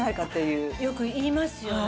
よく言いますよね。